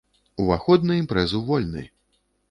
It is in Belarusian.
Уваход на імпрэзу вольны!